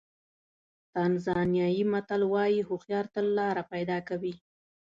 تانزانیایي متل وایي هوښیار تل لاره پیدا کوي.